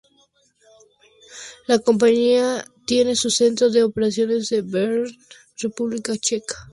La compañía tiene su centro de operaciones en Brno, República Checa.